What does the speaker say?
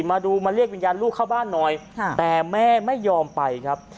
มาดูมาเรียกวิญญาณลูกเข้าบ้านหน่อยแต่แม่ไม่ยอมไปครับ